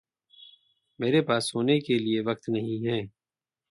मेरे पास सोने के लिये वक्त नहीं है।